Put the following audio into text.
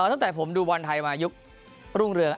เอ่อตั้งแต่ผมดูวันไทยมายุครุงเรือง